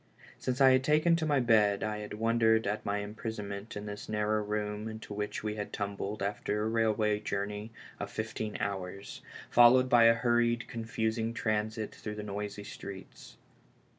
Since I had taken to my bed I had wondered at my imprisonment in this narrow room into which we had tumbled after a railway journey of fifteen hours, followed by a hurried, confusing transit through the noisy streets.